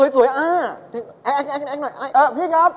อุ๊ยสวยอ่ะแอ๊กหน่อยพี่ครับ